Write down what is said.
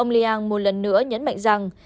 li yang một lần nữa nhấn mạnh rằng